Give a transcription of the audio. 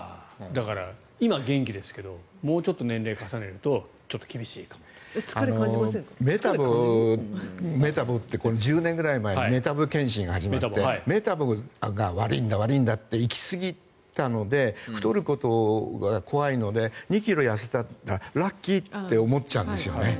だから今、元気ですけどもうちょっと年齢を重ねるとメタボって１０年くらい前にメタボ検診が始まってメタボが悪いんだといきすぎたので太ることが怖いので２ｋｇ痩せたらラッキーって思っちゃうんですね。